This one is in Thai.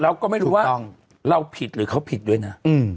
เราก็ไม่รู้ว่าเราผิดหรือเขาผิดด้วยนะ